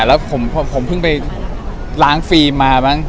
แล้วผมเพิ่งไปล้างฟิล์มมามั้ง